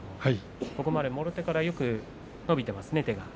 ここまで、もろ手からよく伸びていますね、手が。